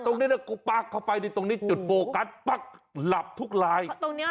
ตรงนี้นะปลากเข้าไปตรงนี้จุดโฟกัสปลากหลับทุกลาย